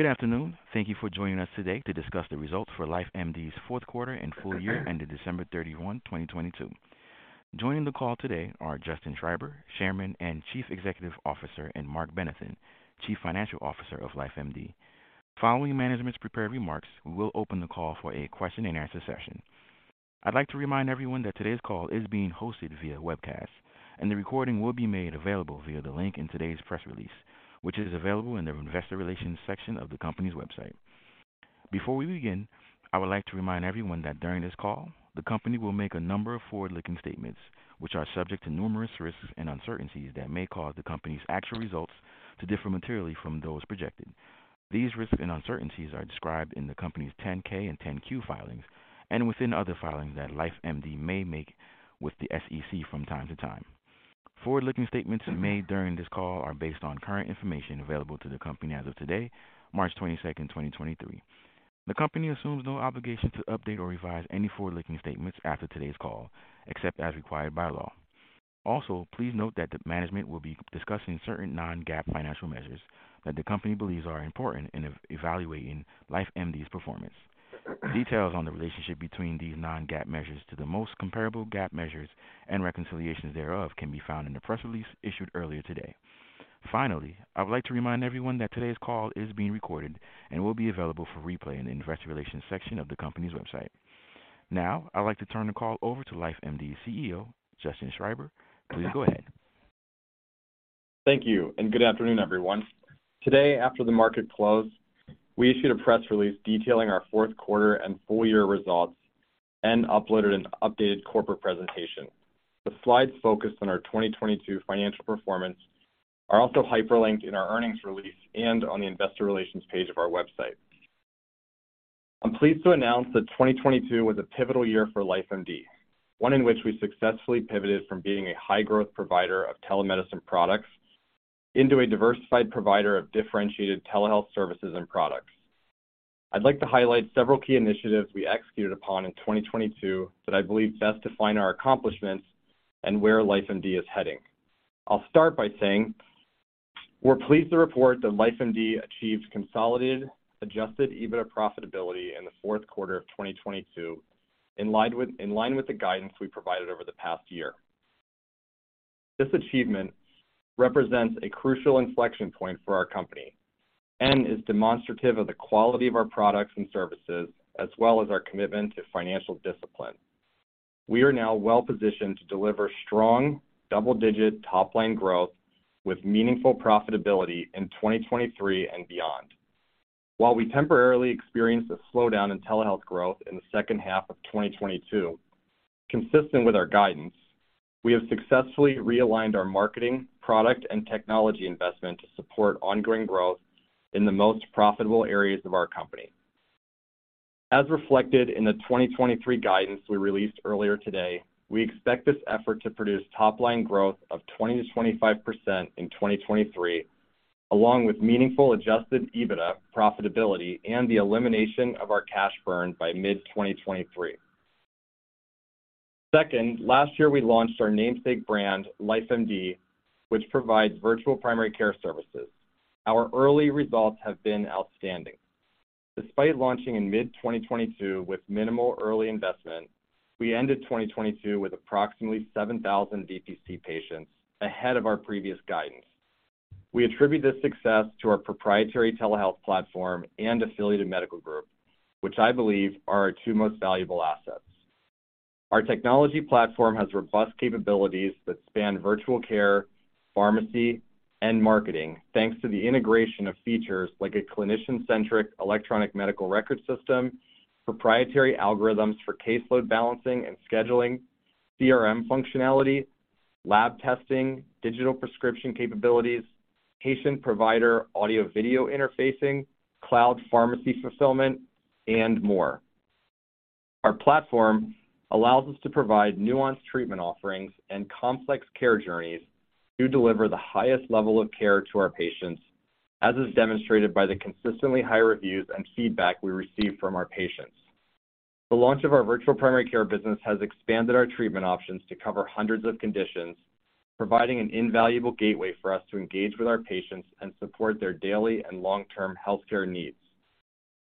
Good afternoon. Thank you for joining us today to discuss the results for LifeMD's fourth quarter and full year ended December 31, 2022. Joining the call today are Justin Schreiber, Chairman and Chief Executive Officer; and Marc Benathen, Chief Financial Officer of LifeMD. Following management's prepared remarks, we will open the call for a question-and-answer session. I'd like to remind everyone that today's call is being hosted via webcast, a recording will be made available via the link in today's press release, which is available in the investor relations section of the company's website. Before we begin, I would like to remind everyone that during this call, the company will make a number of forward-looking statements, which are subject to numerous risks and uncertainties that may cause the company's actual results to differ materially from those projected. These risks and uncertainties are described in the company's 10-K and 10-Q filings and within other filings that LifeMD may make with the SEC from time to time. Forward-looking statements made during this call are based on current information available to the company as of today, March 22nd, 2023. The company assumes no obligation to update or revise any forward-looking statements after today's call, except as required by law. Please note that the management will be discussing certain non-GAAP financial measures that the company believes are important in evaluating LifeMD's performance. Details on the relationship between these non-GAAP measures to the most comparable GAAP measures and reconciliations thereof can be found in the press release issued earlier today. Finally, I would like to remind everyone that today's call is being recorded and will be available for replay in the investor relations section of the company's website. Now, I'd like to turn the call over to LifeMD's CEO, Justin Schreiber. Please go ahead. Thank you and good afternoon, everyone. Today, after the market closed, we issued a press release detailing our fourth quarter and full year results and uploaded an updated corporate presentation. The slides focused on our 2022 financial performance are also hyperlinked in our earnings release and on the investor relations page of our website. I'm pleased to announce that 2022 was a pivotal year for LifeMD, one in which we successfully pivoted from being a high-growth provider of telemedicine products into a diversified provider of differentiated Telehealth services and products. I'd like to highlight several key initiatives we executed upon in 2022 that I believe best define our accomplishments and where LifeMD is heading. I'll start by saying we're pleased to report that LifeMD achieved consolidated adjusted EBITDA profitability in the fourth quarter of 2022, in line with the guidance we provided over the past year. This achievement represents a crucial inflection point for our company and is demonstrative of the quality of our products and services, as well as our commitment to financial discipline. We are now well-positioned to deliver strong double-digit top-line growth with meaningful profitability in 2023 and beyond. While we temporarily experienced a slowdown in Telehealth growth in the second half of 2022, consistent with our guidance, we have successfully realigned our marketing, product, and technology investment to support ongoing growth in the most profitable areas of our company. As reflected in the 2023 guidance we released earlier today, we expect this effort to produce top line growth of 20%-25% in 2023, along with meaningful adjusted EBITDA profitability and the elimination of our cash burn by mid-2023. Second, last year we launched our namesake brand, LifeMD, which provides virtual primary care services. Our early results have been outstanding. Despite launching in mid-2022 with minimal early investment, we ended 2022 with approximately 7,000 VPC patients ahead of our previous guidance. We attribute this success to our proprietary Telehealth platform and affiliated medical group, which I believe are our two most valuable assets. Our technology platform has robust capabilities that span virtual care, pharmacy, and marketing, thanks to the integration of features like a clinician-centric electronic medical record system, proprietary algorithms for caseload balancing and scheduling, CRM functionality, lab testing, digital prescription capabilities, patient-provider audio-video interfacing, cloud pharmacy fulfillment, and more. Our platform allows us to provide nuanced treatment offerings and complex care journeys to deliver the highest level of care to our patients, as is demonstrated by the consistently high reviews and feedback we receive from our patients. The launch of our virtual primary care business has expanded our treatment options to cover hundreds of conditions, providing an invaluable gateway for us to engage with our patients and support their daily and long-term healthcare needs.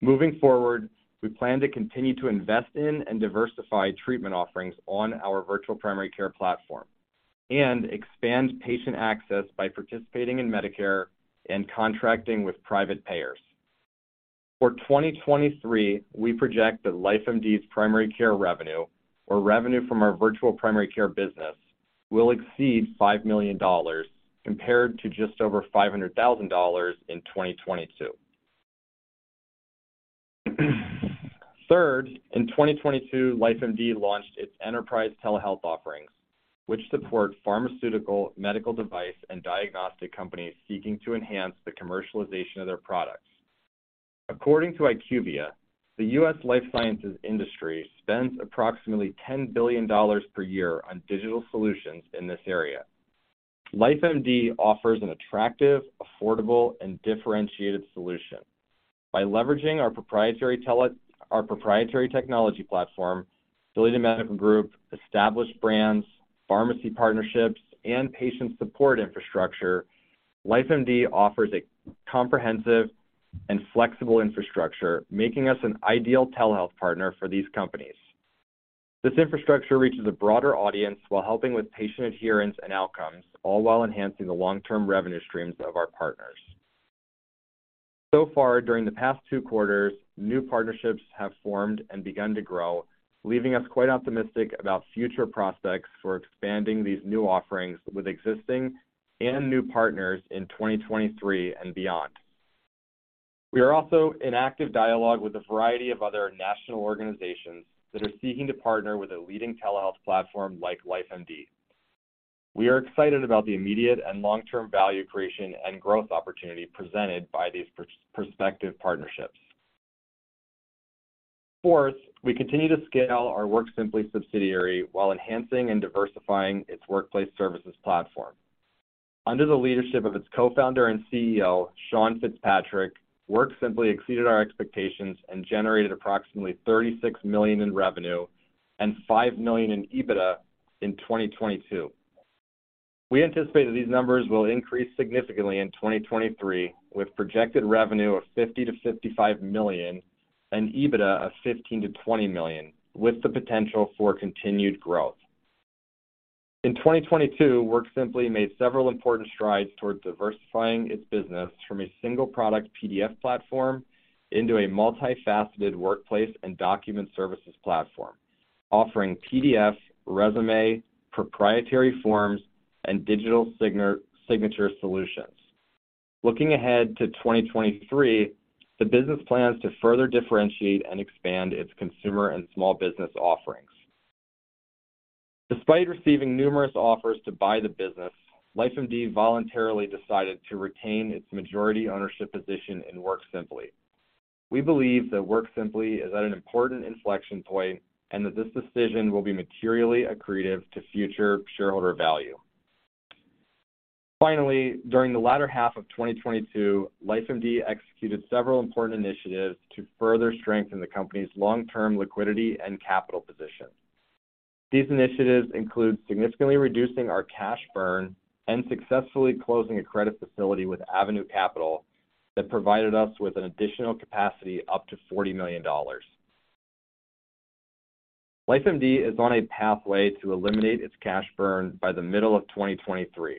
Moving forward, we plan to continue to invest in and diversify treatment offerings on our virtual primary care platform and expand patient access by participating in Medicare and contracting with private payers. For 2023, we project that LifeMD's primary care revenue or revenue from our virtual primary care business will exceed $5 million compared to just over $500,000 in 2022. Third, in 2022, LifeMD launched its enterprise Telehealth offerings, which support pharmaceutical, medical device, and diagnostic companies seeking to enhance the commercialization of their products. According to IQVIA, the U.S. life sciences industry spends approximately $10 billion per year on digital solutions in this area. LifeMD offers an attractive, affordable, and differentiated solution. By leveraging our proprietary technology platform, related medical group, established brands, pharmacy partnerships, and patient support infrastructure, LifeMD offers a comprehensive and flexible infrastructure, making us an ideal telehealth partner for these companies. This infrastructure reaches a broader audience while helping with patient adherence and outcomes, all while enhancing the long-term revenue streams of our partners. During the past two quarters, new partnerships have formed and begun to grow, leaving us quite optimistic about future prospects for expanding these new offerings with existing and new partners in 2023 and beyond. We are also in active dialogue with a variety of other national organizations that are seeking to partner with a leading telehealth platform like LifeMD. We are excited about the immediate and long-term value creation and growth opportunity presented by these prospective partnerships. Fourth, we continue to scale our WorkSimpli subsidiary while enhancing and diversifying its workplace services platform. Under the leadership of its co-founder and CEO, Sean Fitzpatrick, WorkSimpli exceeded our expectations and generated approximately $36 million in revenue and $5 million in EBITDA in 2022. We anticipate that these numbers will increase significantly in 2023, with projected revenue of $50 million-$55 million and EBITDA of $15 million-$20 million, with the potential for continued growth. In 2022, WorkSimpli made several important strides toward diversifying its business from a single product PDF platform into a multi-faceted workplace and document services platform, offering PDF, resume, proprietary forms, and digital signature solutions. Looking ahead to 2023, the business plans to further differentiate and expand its consumer and small business offerings. Despite receiving numerous offers to buy the business, LifeMD voluntarily decided to retain its majority ownership position in WorkSimpli. We believe that WorkSimpli is at an important inflection point and that this decision will be materially accretive to future shareholder value. Finally, during the latter half of 2022, LifeMD executed several important initiatives to further strengthen the company's long-term liquidity and capital position. These initiatives include significantly reducing our cash burn and successfully closing a credit facility with Avenue Capital that provided us with an additional capacity up to $40 million. LifeMD is on a pathway to eliminate its cash burn by the middle of 2023,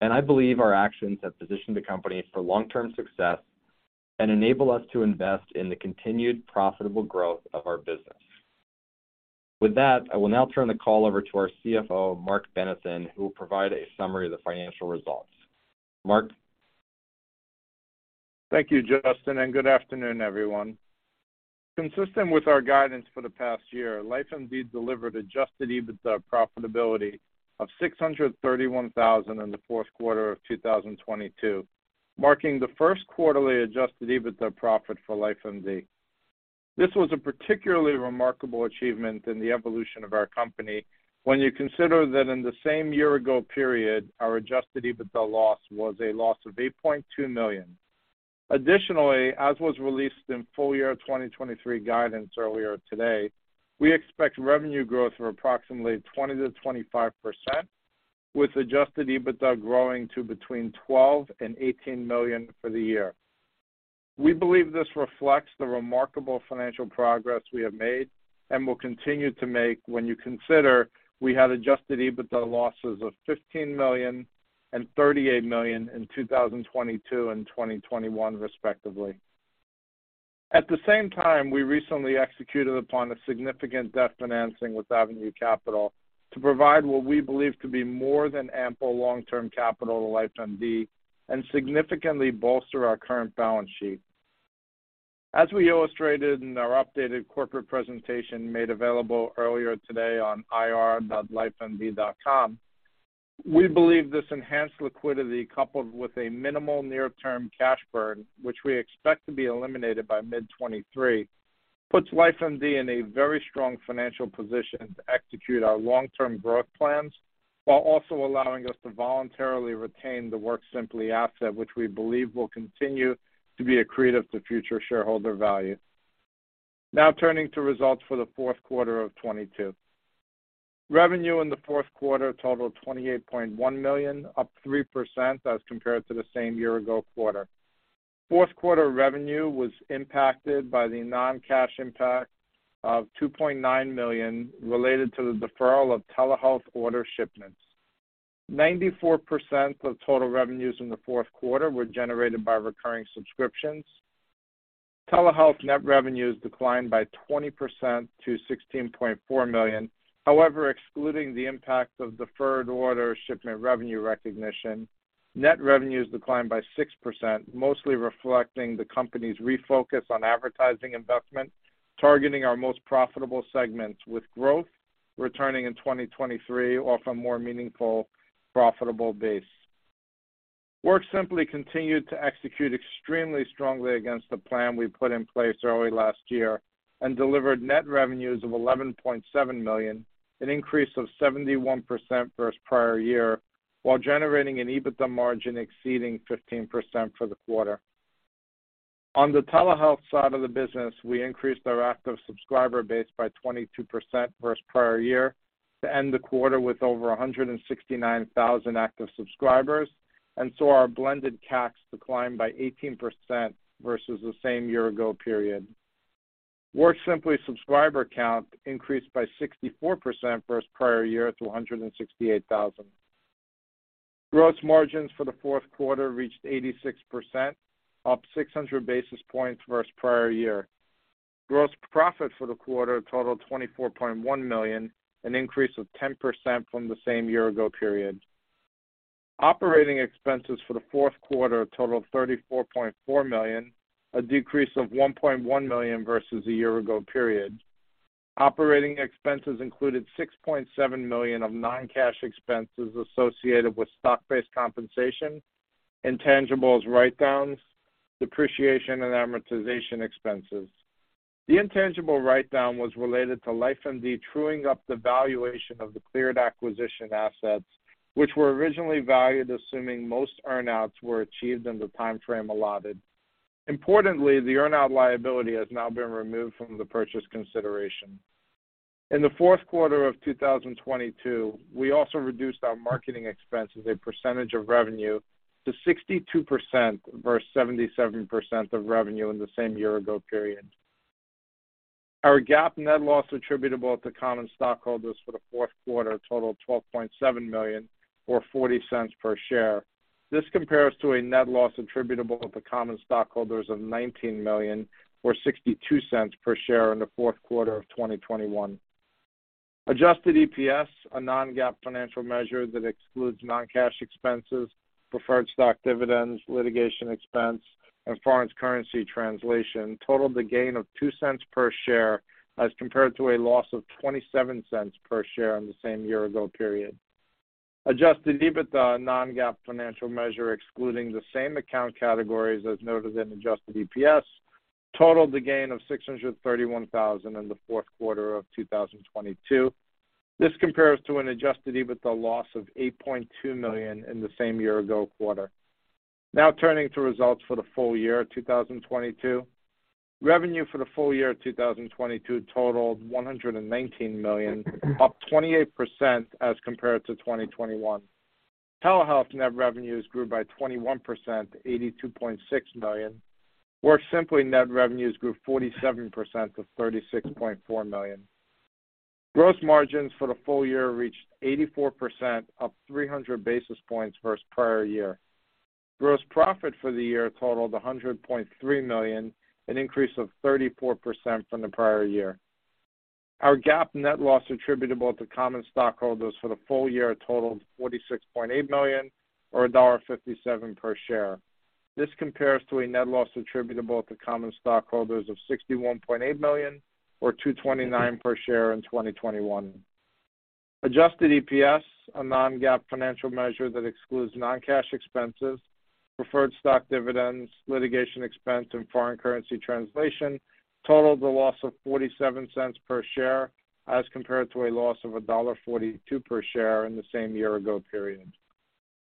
and I believe our actions have positioned the company for long-term success and enable us to invest in the continued profitable growth of our business. With that, I will now turn the call over to our CFO, Marc Benathen, who will provide a summary of the financial results. Marc? Thank you, Justin. Good afternoon, everyone. Consistent with our guidance for the past year, LifeMD delivered adjusted EBITDA profitability of $631 thousand in the fourth quarter of 2022, marking the first quarterly adjusted EBITDA profit for LifeMD. This was a particularly remarkable achievement in the evolution of our company when you consider that in the same year-ago period, our adjusted EBITDA loss was a loss of $8.2 million. As was released in full year 2023 guidance earlier today, we expect revenue growth of approximately 20%-25%, with adjusted EBITDA growing to between $12 million and $18 million for the year. We believe this reflects the remarkable financial progress we have made and will continue to make when you consider we had adjusted EBITDA losses of $15 million and $38 million in 2022 and 2021, respectively. At the same time, we recently executed upon a significant debt financing with Avenue Capital to provide what we believe to be more than ample long-term capital to LifeMD and significantly bolster our current balance sheet. As we illustrated in our updated corporate presentation made available earlier today on ir.lifemd.com, we believe this enhanced liquidity, coupled with a minimal near-term cash burn, which we expect to be eliminated by mid-2023, puts LifeMD in a very strong financial position to execute our long-term growth plans while also allowing us to voluntarily retain the WorkSimpli asset, which we believe will continue to be accretive to future shareholder value. Turning to results for the fourth quarter of 2022. Revenue in the fourth quarter totaled $28.1 million, up 3% as compared to the same year-ago quarter. Fourth quarter revenue was impacted by the non-cash impact of $2.9 million related to the deferral of Telehealth order shipments. 94% of total revenues in the fourth quarter were generated by recurring subscriptions. Telehealth net revenues declined by 20% to $16.4 million. However, excluding the impact of deferred order shipment revenue recognition, net revenues declined by 6%, mostly reflecting the company's refocus on advertising investment, targeting our most profitable segments with growth returning in 2023 off a more meaningful, profitable base. WorkSimpli continued to execute extremely strongly against the plan we put in place early last year and delivered net revenues of $11.7 million, an increase of 71% versus prior year, while generating an EBITDA margin exceeding 15% for the quarter. On the Telehealth side of the business, we increased our active subscriber base by 22% versus prior year to end the quarter with over 169,000 active subscribers. Our blended CACs declined by 18% versus the same year-ago period. WorkSimpli subscriber count increased by 64% versus prior year to 168,000. Gross margins for the fourth quarter reached 86%, up 600 basis points versus prior year. Gross profit for the quarter totaled $24.1 million, an increase of 10% from the same year-ago period. Operating expenses for the fourth quarter totaled $34.4 million, a decrease of $1.1 million versus a year-ago period. Operating expenses included $6.7 million of non-cash expenses associated with stock-based compensation, intangibles write-downs, depreciation and amortization expenses. The intangible write-down was related to LifeMD truing up the valuation of the Cleared acquisition assets, which were originally valued assuming most earn-outs were achieved in the time frame allotted. Importantly, the earn-out liability has now been removed from the purchase consideration. In the fourth quarter of 2022, we also reduced our marketing expenses a percentage of revenue to 62% versus 77% of revenue in the same year-ago period. Our GAAP net loss attributable to common stockholders for the fourth quarter totaled $12.7 million or $0.40 per share. This compares to a net loss attributable to common stockholders of $19 million or $0.62 per share in the fourth quarter of 2021. Adjusted EPS, a non-GAAP financial measure that excludes non-cash expenses, preferred stock dividends, litigation expense, and foreign currency translation totaled a gain of $0.02 per share as compared to a loss of $0.27 per share on the same year ago period. Adjusted EBITDA, a non-GAAP financial measure excluding the same account categories as noted in adjusted EPS, totaled a gain of $631,000 in the fourth quarter of 2022. This compares to an adjusted EBITDA loss of $8.2 million in the same year ago quarter. Turning to results for the full year 2022. Revenue for the full year 2022 totaled $119 million, up 28% as compared to 2021. Telehealth net revenues grew by 21% to $82.6 million. WorkSimpli net revenues grew 47% to $36.4 million. Gross margins for the full year reached 84%, up 300 basis points versus prior year. Gross profit for the year totaled $100.3 million, an increase of 34% from the prior year. Our GAAP net loss attributable to common stockholders for the full year totaled $46.8 million or $1.57 per share. This compares to a net loss attributable to common stockholders of $61.8 million or $2.29 per share in 2021. Adjusted EPS, a non-GAAP financial measure that excludes non-cash expenses, preferred stock dividends, litigation expense and foreign currency translation, totaled a loss of $0.47 per share as compared to a loss of $1.42 per share in the same year-ago period.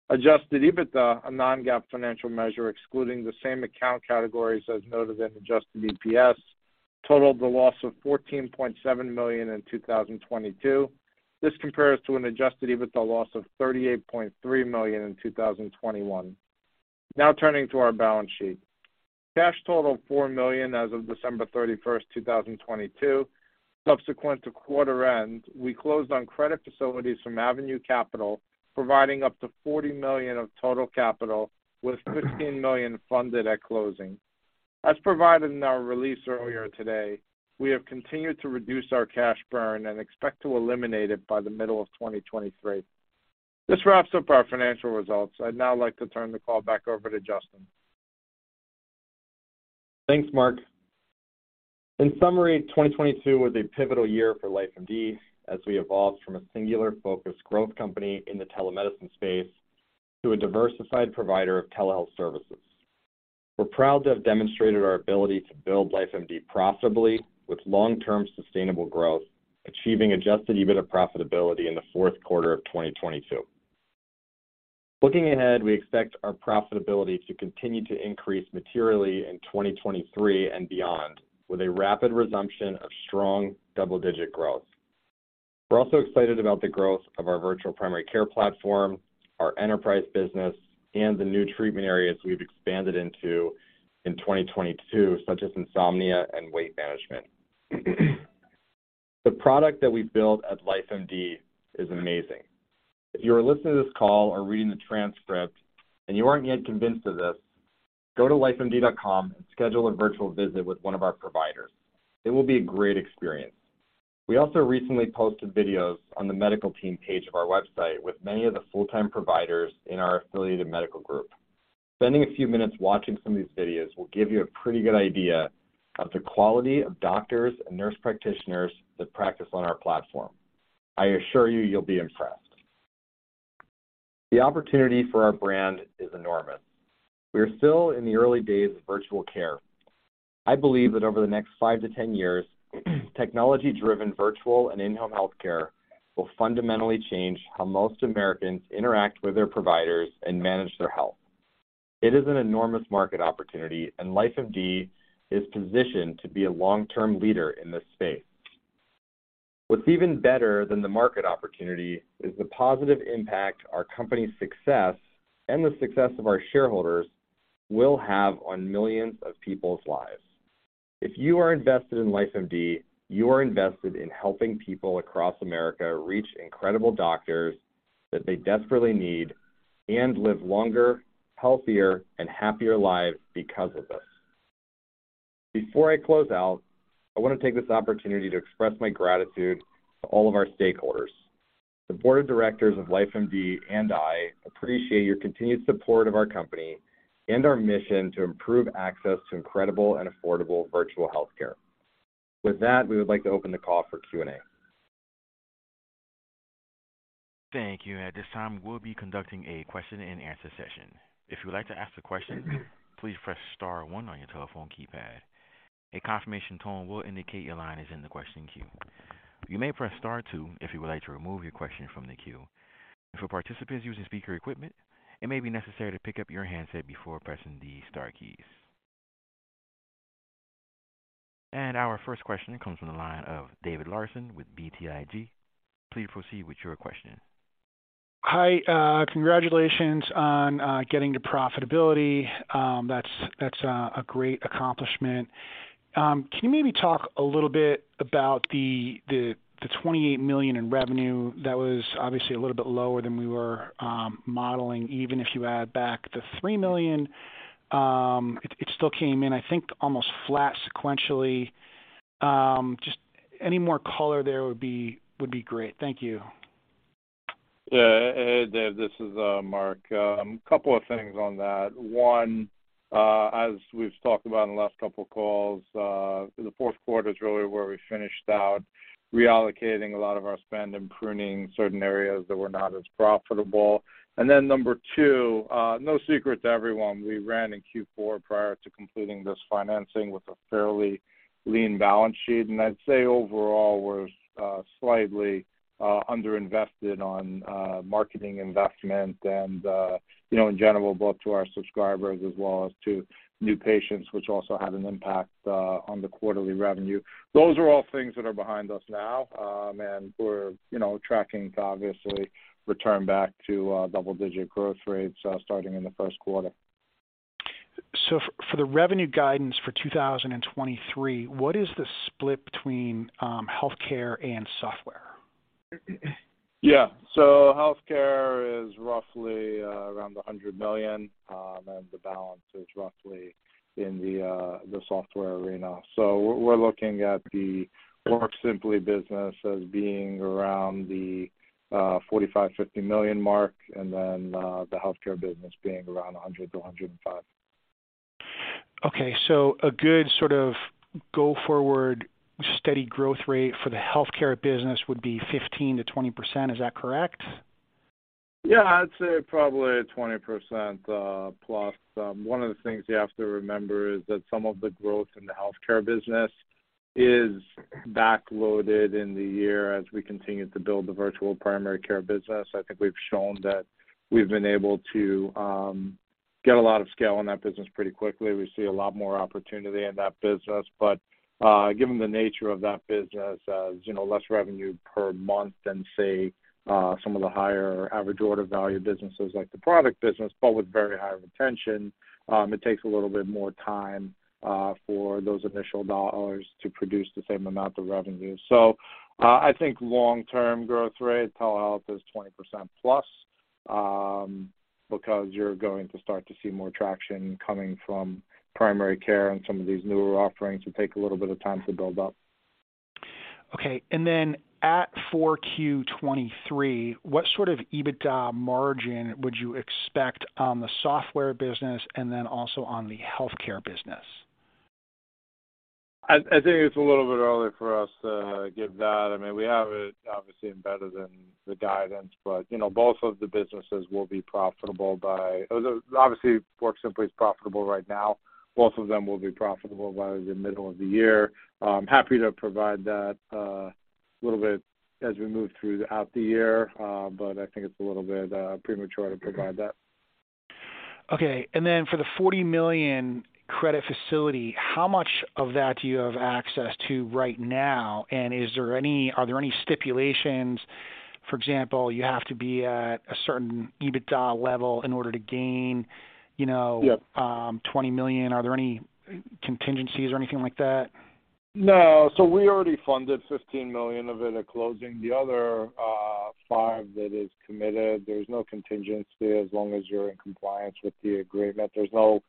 Adjusted EBITDA, a non-GAAP financial measure excluding the same account categories as noted in adjusted EPS, totaled a loss of $14.7 million in 2022. This compares to an adjusted EBITDA loss of $38.3 million in 2021. Turning to our balance sheet. Cash totaled $4 million as of December 31, 2022. Subsequent to quarter end, we closed on credit facilities from Avenue Capital, providing up to $40 million of total capital with $15 million funded at closing. As provided in our release earlier today, we have continued to reduce our cash burn and expect to eliminate it by the middle of 2023. This wraps up our financial results. I'd now like to turn the call back over to Justin. Thanks, Marc. In summary, 2022 was a pivotal year for LifeMD as we evolved from a singular focused growth company in the telemedicine space to a diversified provider of Telehealth services. We're proud to have demonstrated our ability to build LifeMD profitably with long-term sustainable growth, achieving adjusted EBITDA profitability in the fourth quarter of 2022. Looking ahead, we expect our profitability to continue to increase materially in 2023 and beyond with a rapid resumption of strong double-digit growth. We're also excited about the growth of our virtual primary care platform, our enterprise business, and the new treatment areas we've expanded into in 2022, such as insomnia and weight management. The product that we built at LifeMD is amazing. If you are listening to this call or reading the transcript and you aren't yet convinced of this, go to lifemd.com and schedule a virtual visit with one of our providers. It will be a great experience. We also recently posted videos on the medical team page of our website with many of the full-time providers in our affiliated medical group. Spending a few minutes watching some of these videos will give you a pretty good idea of the quality of doctors and nurse practitioners that practice on our platform. I assure you'll be impressed. The opportunity for our brand is enormous. We are still in the early days of virtual care. I believe that over the next 5-10 years, technology-driven virtual and in-home healthcare will fundamentally change how most Americans interact with their providers and manage their health. It is an enormous market opportunity, and LifeMD is positioned to be a long-term leader in this space. What's even better than the market opportunity is the positive impact our company's success and the success of our shareholders will have on millions of people's lives. If you are invested in LifeMD, you are invested in helping people across America reach incredible doctors that they desperately need and live longer, healthier, and happier lives because of us. Before I close out, I want to take this opportunity to express my gratitude to all of our stakeholders. The board of directors of LifeMD and I appreciate your continued support of our company and our mission to improve access to incredible and affordable virtual health care. We would like to open the call for Q&A. Thank you. At this time, we'll be conducting a question and answer session. If you would like to ask a question, please press star one on your telephone keypad. A confirmation tone will indicate your line is in the question queue. You may press star two if you would like to remove your question from the queue. For participants using speaker equipment, it may be necessary to pick up your handset before pressing the star keys. Our first question comes from the line of David Larsen with BTIG. Please proceed with your question. Hi, congratulations on getting to profitability. That's a great accomplishment. Can you maybe talk a little bit about the $28 million in revenue that was obviously a little bit lower than we were modeling. Even if you add back the $3 million, it still came in, I think, almost flat sequentially. Just any more color there would be great. Thank you. Dave, this is Marc. A couple of things on that. One, as we've talked about in the last couple of calls, the fourth quarter is really where we finished out reallocating a lot of our spend and pruning certain areas that were not as profitable. Number two, no secret to everyone, we ran in Q4 prior to completing this financing with a fairly lean balance sheet. I'd say overall was slightly underinvested on marketing investment and, you know, in general, both to our subscribers as well as to new patients, which also had an impact on the quarterly revenue. Those are all things that are behind us now, we're, you know, tracking to obviously return back to double-digit growth rates starting in the first quarter. For the revenue guidance for 2023, what is the split between healthcare and software? Yeah. healthcare is roughly around the $100 million, and the balance is roughly in the software arena. we're looking at the WorkSimpli business as being around the $45 million-$50 million mark, and then the healthcare business being around $100 million-$105 million. Okay. a good sort of go forward, steady growth rate for the healthcare business would be 15%-20%. Is that correct? Yeah, I'd say probably 20%+. One of the things you have to remember is that some of the growth in the healthcare business is backloaded in the year as we continue to build the virtual primary care business. I think we've shown that we've been able to get a lot of scale in that business pretty quickly. We see a lot more opportunity in that business. Given the nature of that business as, you know, less revenue per month than, say, some of the higher average order value businesses like the product business, but with very high retention, it takes a little bit more time for those initial dollars to produce the same amount of revenue. I think long-term growth rate Telehealth is 20%+, because you're going to start to see more traction coming from primary care, and some of these newer offerings will take a little bit of time to build up. Okay. Then at Q4 2023, what sort of EBITDA margin would you expect on the software business and then also on the healthcare business? I think it's a little bit early for us to give that. I mean, we have it obviously embedded in the guidance, but, you know, both of the businesses will be profitable by... Obviously, WorkSimpli is profitable right now. Both of them will be profitable by the middle of the year. I'm happy to provide that a little bit as we move throughout the year, but I think it's a little bit premature to provide that. Okay. For the $40 million credit facility, how much of that do you have access to right now? Are there any stipulations? For example, you have to be at a certain EBITDA level in order to gain, you know. Yep. $20 million. Are there any contingencies or anything like that? No. We already funded $15 million of it at closing. The other $5 million that is committed, there's no contingency as long as you're in compliance with the agreement. There's no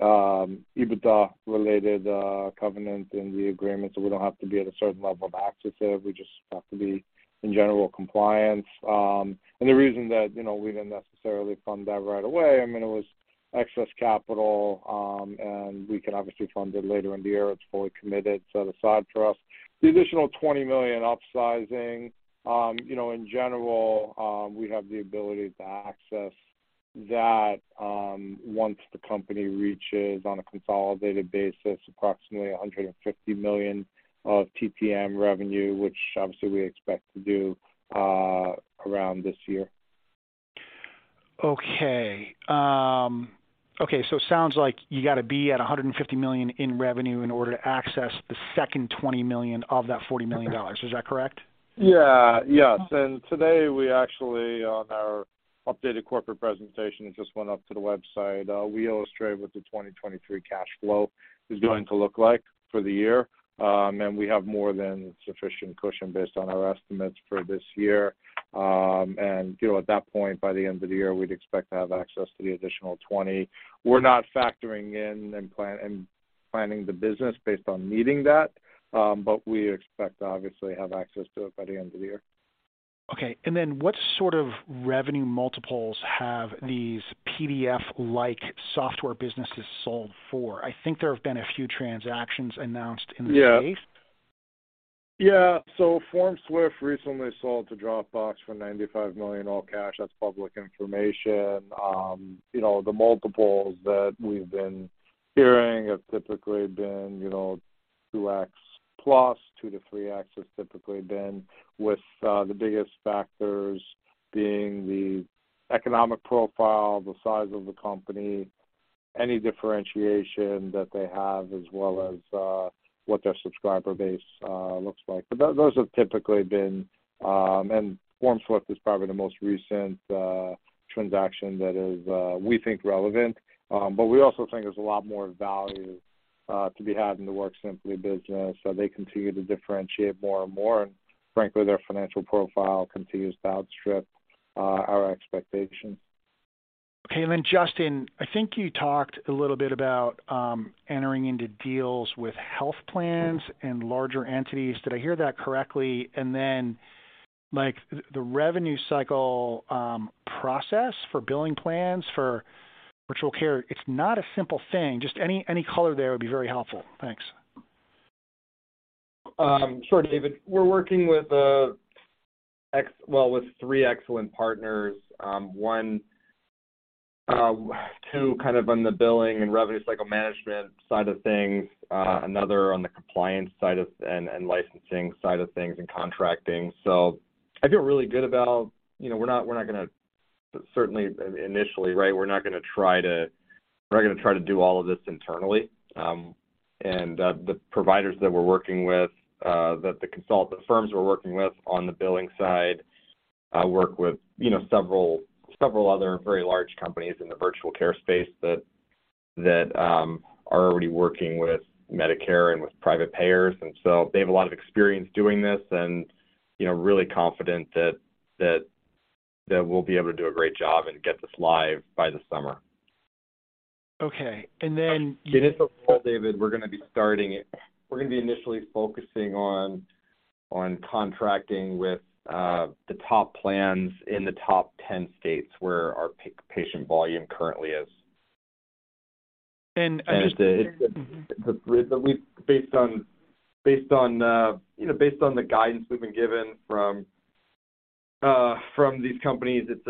EBITDA-related covenant in the agreement, so we don't have to be at a certain level to access it. We just have to be in general compliance. The reason that, you know, we didn't necessarily fund that right away, I mean, it was excess capital, and we can obviously fund it later in the year. It's fully committed. It's at a side trust. The additional $20 million upsizing, you know, in general, we have the ability to access that once the company reaches on a consolidated basis, approximately $150 million of TTM revenue, which obviously we expect to do around this year. Okay. Okay, it sounds like you got to be at $150 million in revenue in order to access the second $20 million of that $40 million. Is that correct? Yeah. Yes. Today, we actually on our updated corporate presentation, it just went up to the website, we illustrate what the 2023 cash flow is going to look like for the year. We have more than sufficient cushion based on our estimates for this year. You know, at that point, by the end of the year, we'd expect to have access to the additional $20 million. We're not factoring in and planning the business based on needing that, we expect to obviously have access to it by the end of the year. Okay. What sort of revenue multiples have these PDF-like software businesses sold for? I think there have been a few transactions announced in this space. FormSwift recently sold to Dropbox for $95 million, all cash. That's public information. You know, the multiples that we've been hearing have typically been, you know, 2x+, 2x-3x has typically been with the biggest factors being the economic profile, the size of the company, any differentiation that they have, as well as, what their subscriber base looks like. But those have typically been. FormSwift is probably the most recent transaction that is, we think relevant. We also think there's a lot more value to be had in the WorkSimpli business, so they continue to differentiate more and more. Frankly, their financial profile continues to outstrip our expectations. Okay. Justin, I think you talked a little bit about entering into deals with health plans and larger entities. Did I hear that correctly? Like, the revenue cycle process for billing plans for virtual care, it's not a simple thing. Just any color there would be very helpful. Thanks. Sure, David. We're working with well, with three excellent partners. One, two kind of on the billing and revenue cycle management side of things, another on the compliance side of and licensing side of things and contracting. I feel really good about, you know, we're not gonna certainly initially, right, we're not gonna try to do all of this internally. The providers that we're working with, that the consultant firms we're working with on the billing side, work with, you know, several other very large companies in the virtual care space that are already working with Medicare and with private payers. They have a lot of experience doing this and, you know, really confident that we'll be able to do a great job and get this live by the summer. Okay. then- It's David, we're gonna be starting it. We're gonna be initially focusing on contracting with the top plans in the top 10 states where our patient volume currently is. I'm just- We've based on, you know, based on the guidance we've been given from these companies, it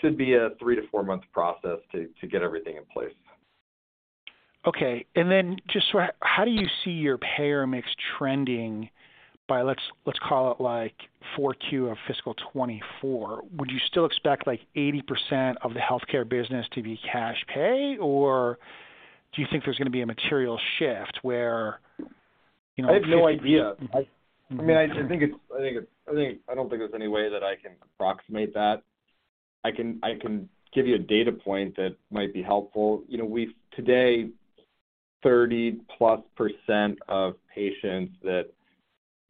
should be a three to four-month process to get everything in place. How do you see your payer mix trending by, let's call it like 4Q of fiscal 2024? Would you still expect like 80% of the healthcare business to be cash pay, or do you think there's gonna be a material shift where, you know? I have no idea. I mean, I think it's, I don't think there's any way that I can approximate that. I can give you a data point that might be helpful. You know, we've today, 30%+ of patients that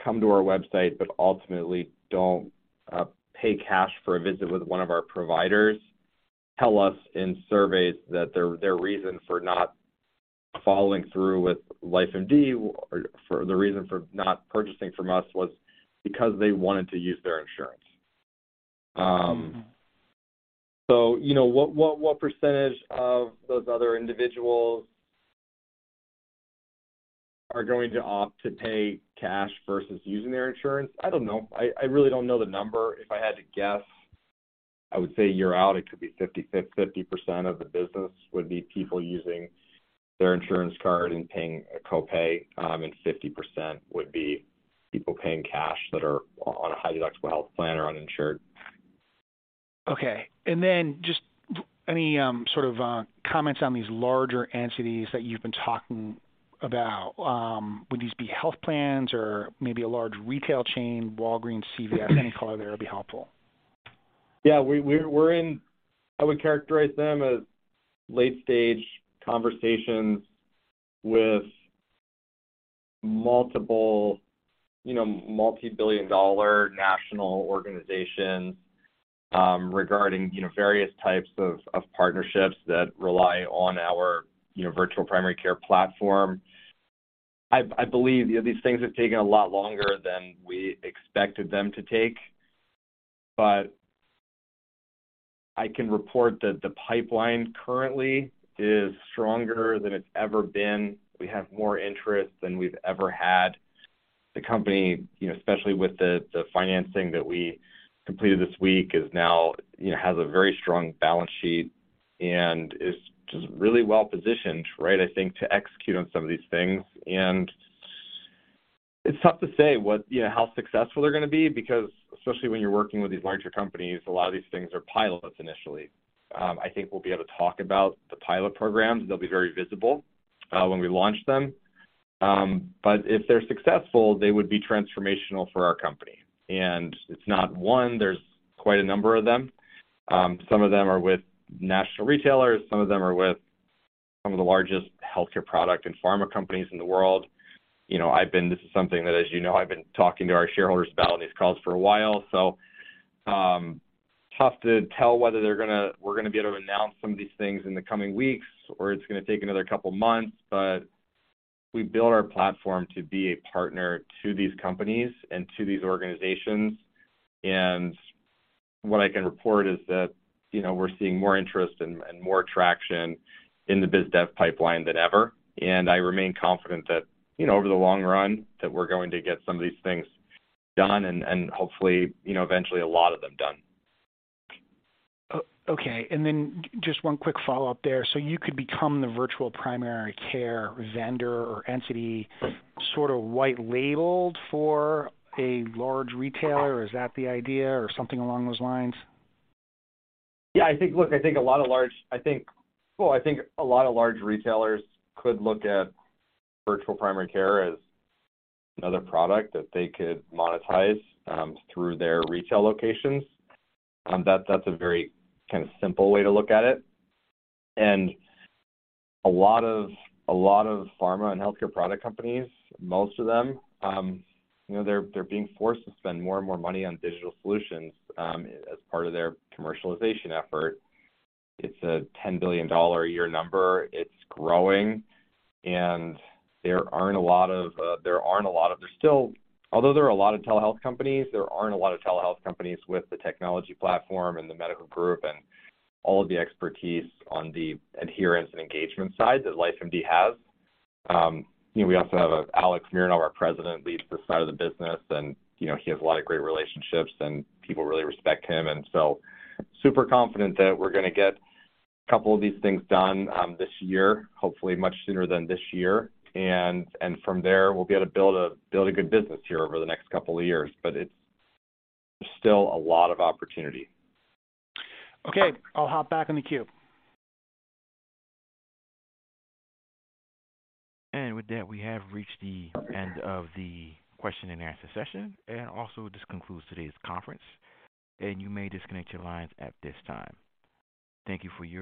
come to our website but ultimately don't pay cash for a visit with one of our providers, tell us in surveys that their reason for not following through with LifeMD, or for the reason for not purchasing from us was because they wanted to use their insurance. You know, what percentage of those other individuals are going to opt to pay cash versus using their insurance? I don't know. I really don't know the number. If I had to guess, I would say a year out, it could be 50/50. 50% of the business would be people using their insurance card and paying a copay, and 50% would be people paying cash that are on a highly deductible health plan or uninsured. Okay. Just any sort of comments on these larger entities that you've been talking about. Would these be health plans or maybe a large retail chain, Walgreens, CVS? Any color there would be helpful. Yeah. We're in late-stage conversations with multiple, you know, multi-billion-dollar national organizations, regarding, you know, various types of partnerships that rely on our, you know, virtual primary care platform. I believe, you know, these things have taken a lot longer than we expected them to take, but I can report that the pipeline currently is stronger than it's ever been. We have more interest than we've ever had. The company, you know, especially with the financing that we completed this week, is now, you know, has a very strong balance sheet and is just really well-positioned, right, I think to execute on some of these things. It's tough to say what, you know, how successful they're gonna be because especially when you're working with these larger companies, a lot of these things are pilots initially. I think we'll be able to talk about the pilot programs. They'll be very visible when we launch them. If they're successful, they would be transformational for our company. It's not one, there's quite a number of them. Some of them are with national retailers, some of them are with some of the largest healthcare product and pharma companies in the world. You know, this is something that, as you know, I've been talking to our shareholders about on these calls for a while. Tough to tell whether we're gonna be able to announce some of these things in the coming weeks or it's gonna take another couple of months. We built our platform to be a partner to these companies and to these organizations. What I can report is that, you know, we're seeing more interest and more traction in the biz dev pipeline than ever. I remain confident that, you know, over the long run that we're going to get some of these things done and hopefully, you know, eventually a lot of them done. Okay. Then just one quick follow-up there. You could become the virtual primary care vendor or entity sort of white labeled for a large retailer? Is that the idea or something along those lines? Look, Well, I think a lot of large retailers could look at virtual primary care as another product that they could monetize through their retail locations. That, that's a very kinda simple way to look at it. A lot of pharma and healthcare product companies, most of them, you know, they're being forced to spend more and more money on digital solutions as part of their commercialization effort. It's a $10 billion a year number. It's growing, and Although there are a lot of telehealth companies, there aren't a lot of telehealth companies with the technology platform and the medical group and all of the expertise on the adherence and engagement side that LifeMD has. You know, we also have Alex Mironov, our President, leads this side of the business and, you know, he has a lot of great relationships and people really respect him. Super confident that we're gonna get a couple of these things done this year, hopefully much sooner than this year. From there, we'll be able to build a good business here over the next couple of years. It's still a lot of opportunity. Okay, I'll hop back in the queue. With that, we have reached the end of the question and answer session. Also, this concludes today's conference, and you may disconnect your lines at this time. Thank you for your.